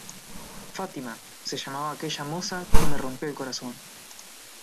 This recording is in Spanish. Fátima, se llamaba aquella moza que me rompió el corazón.